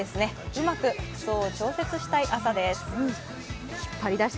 うまく服装を調節したい朝です。